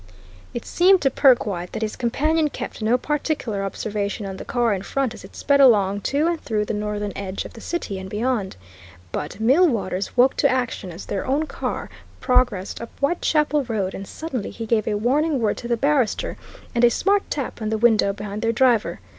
It seemed to Perkwite that his companion kept no particular observation on the car in front as it sped along to and through the northern edge of the City and beyond. But Millwaters woke to action as their own car progressed up Whitechapel Road, and suddenly he gave a warning word to the barrister and a smart tap on the window behind their driver.